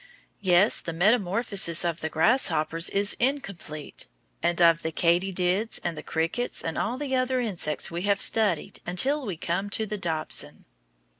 Yes, the metamorphosis of the grasshoppers is incomplete, and of the katydids and the crickets and all the other insects we have studied until we came to the dobson.